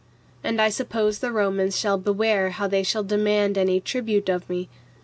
And I suppose the Romans shall beware how they shall demand any tribute of me.